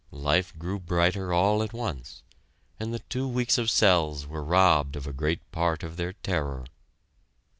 Life grew brighter all at once, and the two weeks of "cells" were robbed of a great part of their terror.